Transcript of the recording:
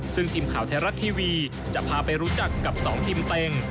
ซึ่งทีมข่าวไทยรัฐทีวีจะพาไปรู้จักกับ๒ทีมเต็ง